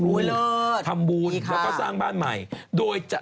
แล้วก็สร้างบ้านใหม่โดยจะ